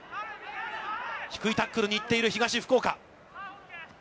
低いタックルに行っている東福岡。